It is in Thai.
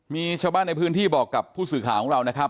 มีชาวบ้านในพื้นที่บอกกับผู้สื่อข่าวของเรานะครับ